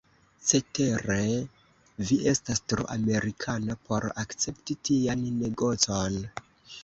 Cetere, vi estas tro Amerikana por akcepti tian negocon.